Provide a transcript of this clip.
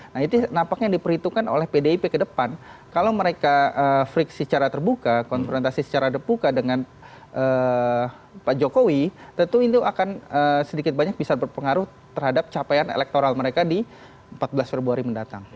nah itu nampaknya yang diperhitungkan oleh pdip ke depan kalau mereka friksi secara terbuka konfrontasi secara depuka dengan pak jokowi tentu itu akan sedikit banyak bisa berpengaruh terhadap capaian elektoral mereka di empat belas februari mendatang